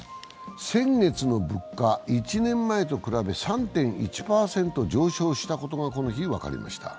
先月の物価、１年前と比べ、３．１％上昇したことがこの日、分かりました。